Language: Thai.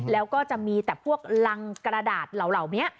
แล้วก็จะมีแต่พวกรังกระดาษเหล่านี้